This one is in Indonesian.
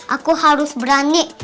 aku harus berani